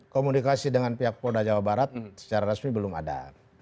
komunikasi dengan pihak polda jawa barat secara resmi belum ada